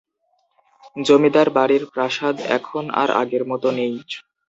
জমিদার বাড়ির প্রাসাদ এখন আর আগের মত নেই।